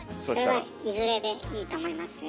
それはいずれでいいと思いますよ。